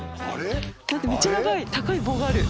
めっちゃ長い高い棒がある。